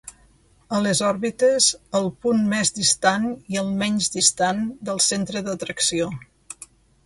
A les òrbites, el punt més distant i el menys distant del centre d'atracció.